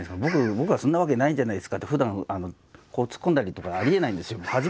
僕が「そんなわけないじゃないですか」ってふだんツッコんだりとかありえないんですよ。